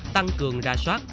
tăng cường ra soát